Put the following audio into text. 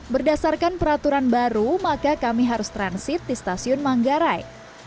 berdasarkan peraturan baru maka kami harus transit di stasiun manggarai